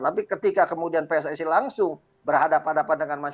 tapi ketika kemudian pssi langsung berhadapan hadapan dengan masyarakat